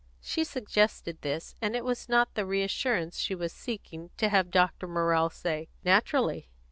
She suggested this, and it was not the reassurance she was seeking to have Dr. Morrell say, "Naturally."